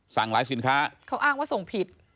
หลายสินค้าเขาอ้างว่าส่งผิด